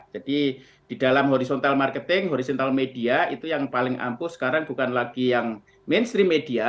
jadi di dalam horizontal marketing horizontal media itu yang paling ampuh sekarang bukan lagi yang mainstream media